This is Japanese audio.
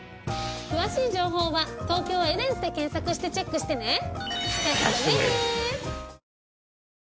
詳しい情報は「東京エデンス」で検索してチェックしてね。